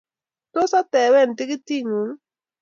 Tos atapen tikitit ng`ung?